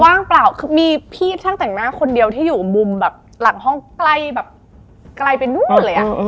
ว่างเปล่าคือมีพี่ช่างแต่งหน้าคนเดียวที่อยู่มุมแบบหลังห้องใกล้แบบไกลไปนู่นเลยอ่ะ